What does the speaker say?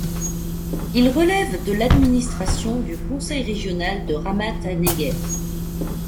Il relève de l'administration du Conseil régional de Ramat HaNegev.